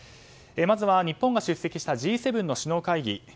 まずは日本が出席したＧ７の首脳会議。